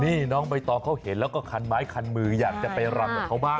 นี่น้องใบตองเขาเห็นแล้วก็คันไม้คันมืออยากจะไปรำกับเขาบ้าง